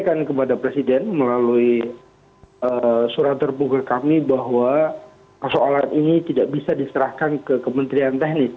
saya sampaikan kepada presiden melalui surat terbuka kami bahwa persoalan ini tidak bisa diserahkan ke kementerian teknis